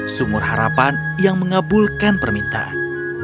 sumur harapan yang mengabulkan permintaan